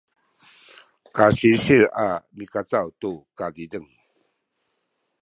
kasilsil a mikacaw tu kazizeng